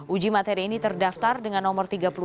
uji materi ini terdaftar dengan nomor tiga puluh enam